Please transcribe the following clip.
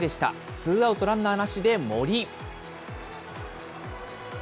ツーアウトランナーなしで森。